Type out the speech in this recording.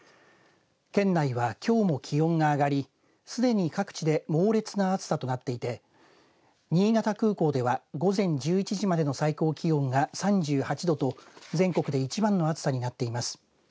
県内はきょうも気温が上がりすでに各地で猛烈な暑さとなっていて新潟空港では午前１１時までの最高気温が３８度と全国で一番の暑さになっています。